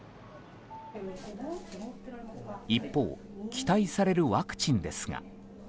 一方、期待されるワクチンですが。